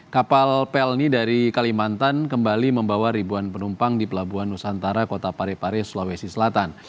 kapal pelni dari kalimantan kembali membawa ribuan penumpang di pelabuhan nusantara kota parepare sulawesi selatan